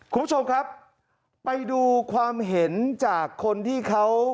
คุณผู้ชมครับไปดูความเห็นจากคนที่เขา